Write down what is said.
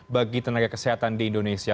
bagi tenaga kesehatan di indonesia